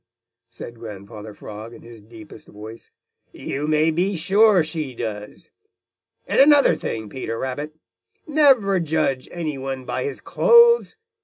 said Grandfather Frog in his deepest voice. "You may be sure she does. And another thing, Peter Rabbit: Never judge any one by his clothes.